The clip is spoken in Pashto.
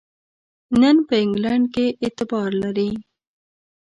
نن په انګلینډ کې اعتبار لري.